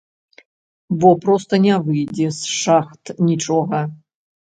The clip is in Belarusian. Бо проста не выйдзе з шахт нічога.